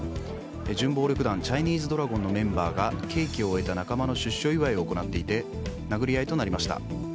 準暴力団チャイニーズドラゴンのメンバーが刑期を終えた仲間の出所祝いを行っていて殴り合いとなりました。